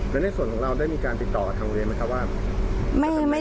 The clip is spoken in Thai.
แล้วในส่วนของเราได้มีการติดต่อทางโรงเรียนไหมครับว่า